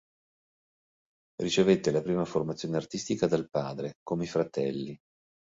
Ricevette la prima formazione artistica dal padre, come i fratelli.